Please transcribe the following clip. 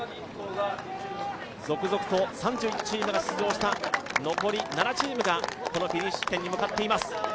続々と３１チームが出場した残り７チームがこのフィニッシュ地点に向かっています。